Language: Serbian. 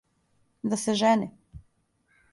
Да се жени?